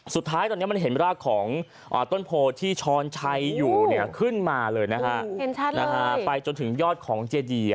สุดท้ายตอนนี้มันเห็นรากของต้นโพที่ช้อนชัยอยู่เนี่ยขึ้นมาเลยนะฮะไปจนถึงยอดของเจดี